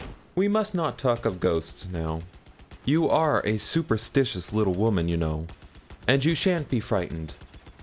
'We must not talk of ghosts now. You are a superstitious little woman, you know, and you shan't be frightened.'